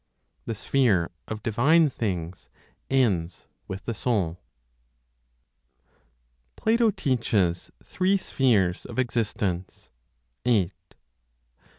The sphere of divine things ends with the Soul. PLATO TEACHES THREE SPHERES OF EXISTENCE. 8.